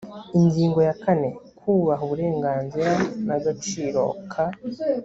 ingingo ya kane kubaha uburenganzira n agaciro ka